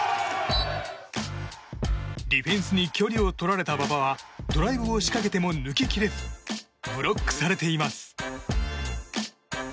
ディフェンスに距離を取られた馬場はドライブを仕掛けても抜ききれずブロックされています。